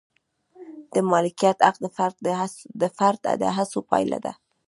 د مالکیت حق د فرد د هڅو پایله ده.